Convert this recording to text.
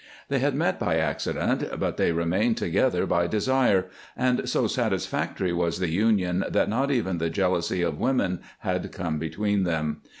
They had met by accident, but they remained together by desire, and so satisfactory was the union that not even the jealousy of women had come between them.